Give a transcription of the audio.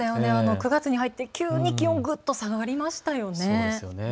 ９月に入って急に気温ぐっと下がりましたよね。